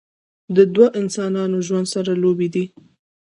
د دوه انسانانو ژوند سره لوبې دي